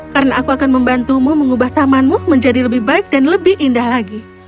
karena aku akan membantumu mengubah tamanmu menjadi lebih baik dan lebih indah lagi